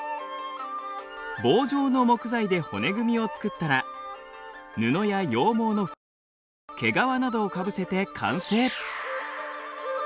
棒状の木材で骨組みを作ったら布や羊毛のフェルト毛皮などをかぶせて完成。